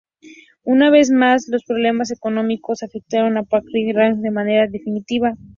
Una vez más los problemas económicos afectaron a Patrick Racing de manera definitiva.